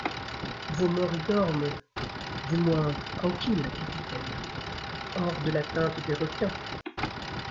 Vos morts y dorment, du moins, tranquilles, capitaine, hors de l’atteinte des requins !